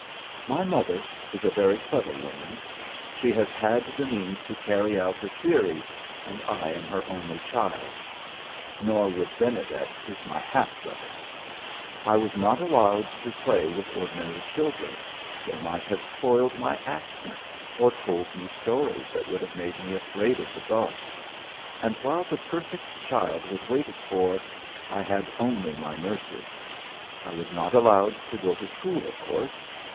"My mother is a very clever woman; she has had the means to carry out her theories, and I am her only child (Norwood Benedet is my half brother). I was not allowed to play with ordinary children; they might have spoiled my accent or told me stories that would have made me afraid of the dark; and while the perfect child was waited for, I had only my nurses. I was not allowed to go to school, of course.